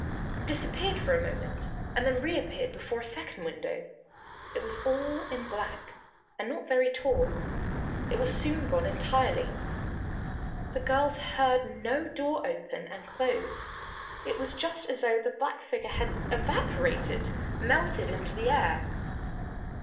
It disappeared for a moment and then reappeared before a second window. It was all in black and not very tall. It was soon gone entirely. The girls heard no door open and close. It was just as though the black figure had evaporated melted into the air!